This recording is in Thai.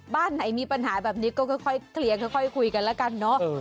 บ้านไหนมีปัญหาแบบนี้ก็ค่อยเคลียร์ค่อยคุยกันแล้วกันเนอะ